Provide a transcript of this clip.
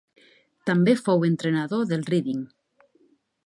També fou entrenador del Reading.